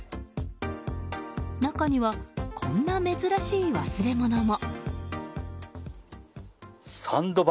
中には、こんな珍しい忘れ物も。